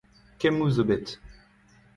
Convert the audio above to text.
Kemmoù zo bet.